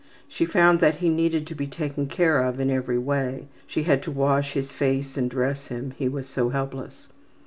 She found that he needed to be taken care of in every way; she had to wash his face and dress him, he was so helpless.